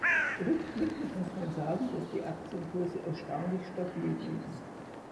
Rückblickend muss man sagen, dass die Aktienkurse erstaunlich stabil blieben.